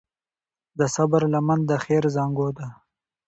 د صبر لمن د خیر زانګو ده.